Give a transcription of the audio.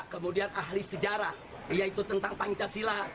kemudian ahli sejarah yaitu tentang pancasila